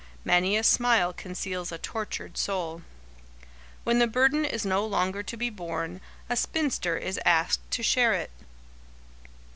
Many a smile conceals a tortured soul. When the burden is no longer to be borne, a spinster is asked to share it.